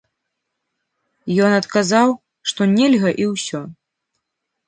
Ён адказаў, што нельга і ўсё.